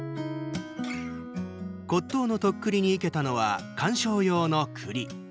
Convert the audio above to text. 骨とうのとっくりに生けたのは鑑賞用のクリ。